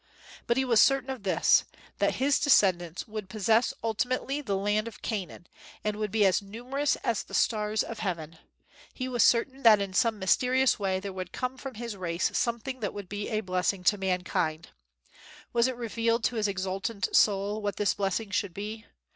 But he was certain of this, that his descendants would possess ultimately the land of Canaan, and would be as numerous as the stars of heaven. He was certain that in some mysterious way there would come from his race something that would be a blessing to mankind. Was it revealed to his exultant soul what this blessing should be?